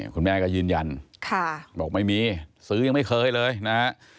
คุณแม่ก็ยืนยันค่ะบอกไม่มีซื้ออย่างไม่เคยเลยครับ